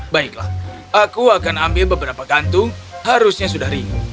baiklah aku akan ambil enam kantungnya